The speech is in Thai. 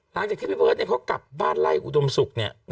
หลังจากที่พี่เบิร์ตเขากลับบ้านไล่อุดมศุกร์